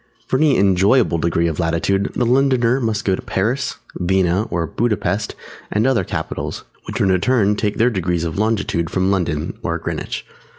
For any enjoyable degree of latitude, the Londoner must go to Paris, Vienna or Buda Pesth and other capitals, which in return take their degrees of longitude from London (or Greenwich).